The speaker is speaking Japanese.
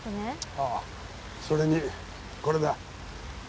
ああそれにこれだ。